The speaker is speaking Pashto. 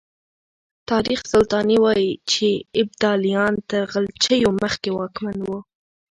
تاريخ سلطاني وايي چې ابداليان تر غلجيو مخکې واکمن وو.